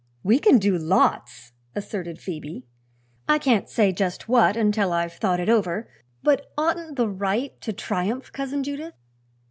"We can do lots," asserted Phoebe. "I can't say just what, until I've thought it over; but oughtn't the right to triumph, Cousin Judith!"